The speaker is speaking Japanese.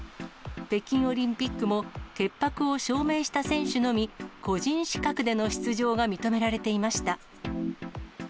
北京オリンピックも、潔白を証明した選手のみ、個人資格での出場が認められていました。